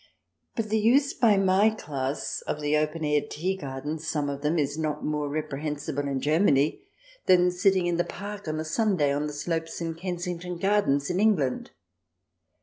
But the use by my class of the open air tea gardens, some of them, is not more reprehensible in Germany than sitting in the park on a Sunday, on the slopes in Kensington Gardens in England.